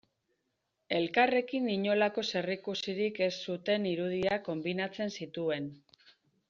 Elkarrekin inolako zerikusirik ez zuten irudiak konbinatzen zituen.